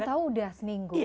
tau tau udah seminggu